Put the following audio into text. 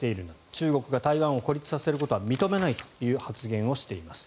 中国が台湾を孤立することは認めないという発言をしています。